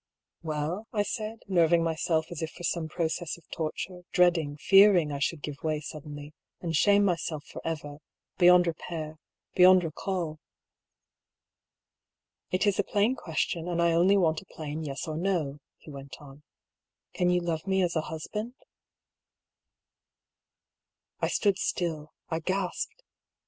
" Well ?" I said, nerving myself as if for some process of torture, dreading, fearing I should give away sud denly, and shame myself for ever, beyond repair, beyond recall. "It is a plain question, and I only want a plain Yes or No," he went on. "Can you love me as a husband?" FOUND IN AN OLD NOTEBOOK OP LILIA PYM'S. I35 I stood still, I gasped.